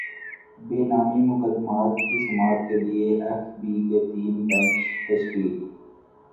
بے نامی مقدمات کی سماعت کیلئے ایف بی کے تین بینچ تشکیل